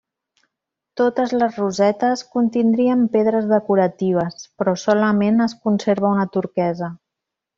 Totes les rosetes contindrien pedres decoratives, però solament es conserva una turquesa.